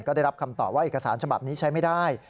ก็ได้รับคำตอบว่าเอกสารฉบับนี้ใช้ไม่ได้